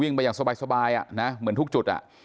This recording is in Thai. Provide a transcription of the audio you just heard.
ไปอย่างสบายเหมือนทุกจุด